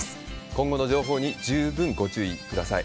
今後の情報に十分ご注意ください。